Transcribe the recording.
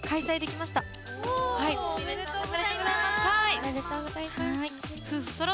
おめでとうございます。わ！